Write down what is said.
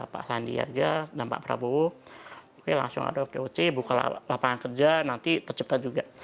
pak sandi aja dan pak prabowo oke langsung ada okoc buka lapangan kerja nanti tercipta juga